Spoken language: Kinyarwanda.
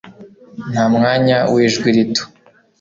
nta mwanya wijwi rito